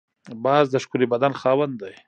باز د ښکلي بدن خاوند دی